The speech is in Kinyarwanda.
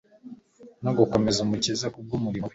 no gukomeza Umukiza kubw'umurimo we.